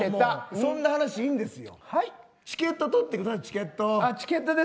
そんな話、いいんですよ。